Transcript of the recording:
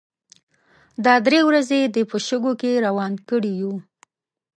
دا درې ورځې دې په شګو کې روان کړي يو.